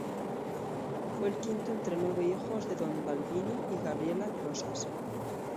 Fue el quinto entre nueve hijos de Don Balbino y Gabriela Closas.